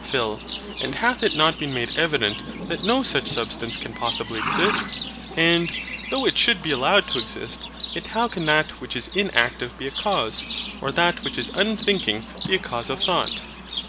PHIL. And, hath it not been made evident that no SUCH substance can possibly exist? And, though it should be allowed to exist, yet how can that which is INACTIVE be a CAUSE; or that which is UNTHINKING be a CAUSE OF THOUGHT?